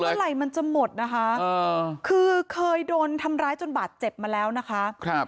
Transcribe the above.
เมื่อไหร่มันจะหมดนะคะคือเคยโดนทำร้ายจนบาดเจ็บมาแล้วนะคะ